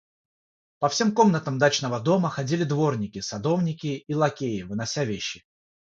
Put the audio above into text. По всем комнатам дачного дома ходили дворники, садовники и лакеи, вынося вещи.